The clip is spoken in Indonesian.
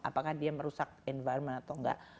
apakah dia merusak environment atau enggak